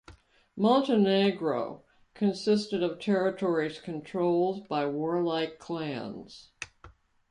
Montenegro consisted of territories controlled by warlike clans.